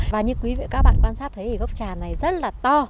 và như quý vị các bạn quan sát thấy thì gốc trà này rất là to